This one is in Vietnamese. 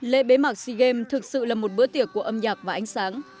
lễ bế mạc sea games thực sự là một bữa tiệc của âm nhạc và ánh sáng